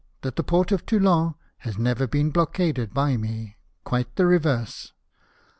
271 that the port of Toulon has never been blockaded by me — quite the reverse.